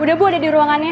udah bu ada di ruangannya